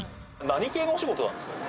何系のお仕事なんですか？